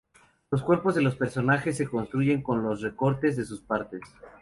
Los cuerpos de los personajes se construyen con los recortes de sus partes.